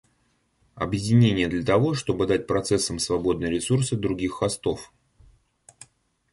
Объединение для того, чтобы дать процессам свободные ресурсы других хостов